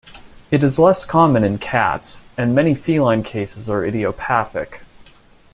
It is less common in cats, and many feline cases are idiopathic.